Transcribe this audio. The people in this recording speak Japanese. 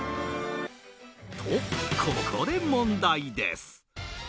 と、ここで問題です。